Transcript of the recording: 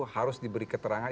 harus diberi keterangan